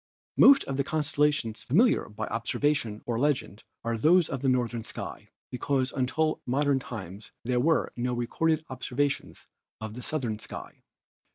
Most of the constellations familiar by observation or legend are those of the northern sky, because until within modern times there were no recorded observations of the southern heavens.